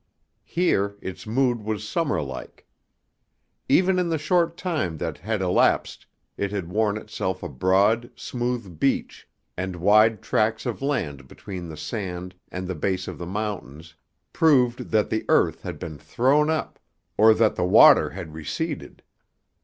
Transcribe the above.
Here its mood was summer like. Even in the short time that had elapsed it had worn itself a broad, smooth beach, and wide tracts of land between the sand and the base of the mountains proved that the earth had been thrown up, or that the water had receded.